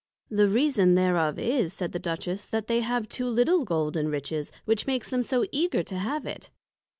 The reason thereof is, said the Duchess, that they have too little Gold and Riches, which makes them so eager to have it.